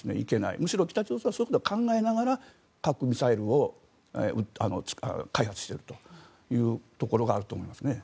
むしろ、北朝鮮はそういうことを考えながら核ミサイルを開発しているというところがあると思いますね。